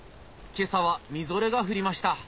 今朝はみぞれが降りました。